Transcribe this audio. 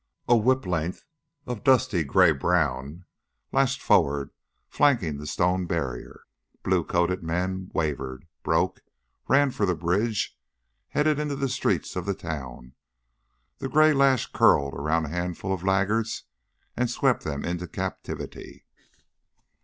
A whip length of dusty gray brown lashed forward, flanking the stone barrier. Blue coated men wavered, broke, ran for the bridge, heading into the streets of the town. The gray lash curled around a handful of laggards and swept them into captivity.